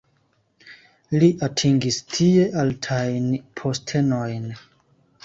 Li atingis tie altajn postenojn.